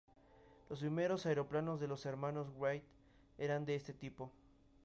Los primeros aeroplanos de los Hermanos Wright eran de este tipo.